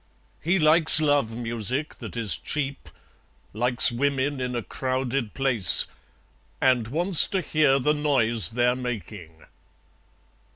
He likes love music that is cheap; Likes women in a crowded place; And wants to hear the noise they're making.